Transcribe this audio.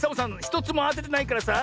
ひとつもあててないからさ